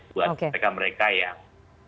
buat mereka mereka yang